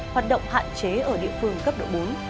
hoạt động hạn chế ở địa phương cấp độ bốn